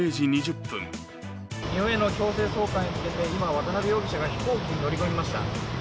日本への強制送還に向けて今、渡辺容疑者が飛行機に乗り込みました。